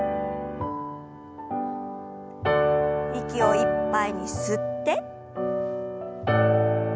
息をいっぱいに吸って。